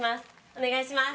お願いします。